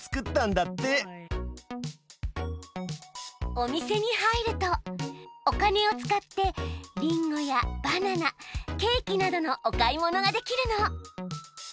お店に入るとお金を使ってりんごやバナナケーキなどのお買い物ができるの。